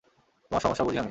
তোমার সমস্যা বুঝি আমি।